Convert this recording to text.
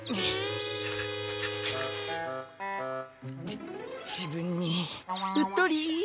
じ自分にうっとり。